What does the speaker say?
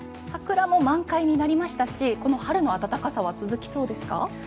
桜も満開になりましたしこの春の暖かさは続きそうですか？